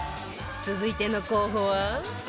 続いての候補は